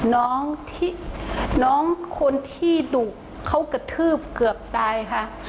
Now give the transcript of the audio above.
น้องที่น้องคนที่ดุเขากระทืบเกือบตายค่ะ